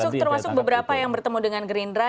termasuk beberapa yang bertemu dengan gerindra